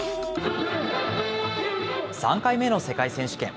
３回目の世界選手権。